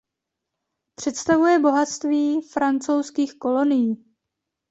Představuje bohatství francouzských kolonií.